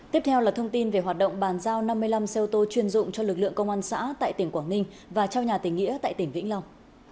tiếp theo là thông tin về hoạt động bàn giao năm mươi năm xe ô tô chuyên dụng cho lực lượng công an xã tại tỉnh quảng ninh và trao nhà tỉnh nghĩa tại tỉnh vĩnh long